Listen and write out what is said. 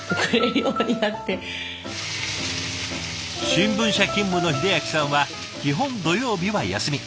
新聞社勤務の英明さんは基本土曜日は休み。